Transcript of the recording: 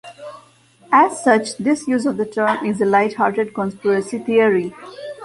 As such, this use of the term is a light-hearted conspiracy theory.